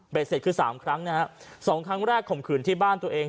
เสร็จคือสามครั้งนะฮะสองครั้งแรกข่มขืนที่บ้านตัวเอง